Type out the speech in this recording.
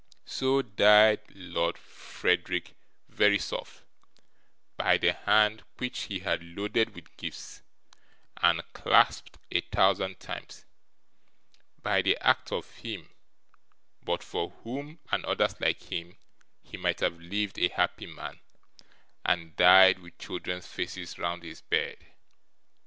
So died Lord Frederick Verisopht, by the hand which he had loaded with gifts, and clasped a thousand times; by the act of him, but for whom, and others like him, he might have lived a happy man, and died with children's faces round his bed.